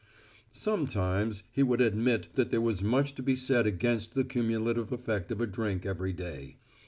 Sometimes he would admit that there was much to be said against the cumulative effect of a drink every day.